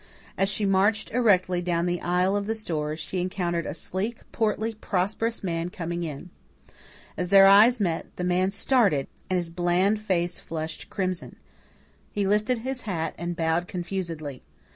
As she marched erectly down the aisle of the store, she encountered a sleek, portly, prosperous man coming in. As their eyes met, the man started and his bland face flushed crimson; he lifted his hat and bowed confusedly.